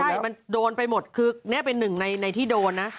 ใช่มันโดนไปหมดคือแน่ในที่โดนนะ